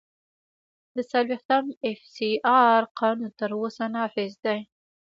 د څلوېښتم اېف سي آر قانون تر اوسه نافذ دی.